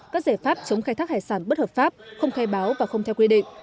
các giải pháp chống khai thác hải sản bất hợp pháp không khai báo và không theo quy định